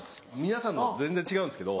皆さんのと全然違うんですけど。